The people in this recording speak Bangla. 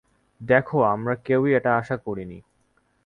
দেখো, আমরা কেউই এটা আশা করিনি।